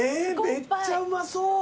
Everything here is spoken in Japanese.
めっちゃうまそう。